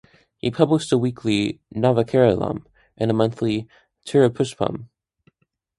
He published a weekly "Navakeralam" and a monthly "Cherupushpam".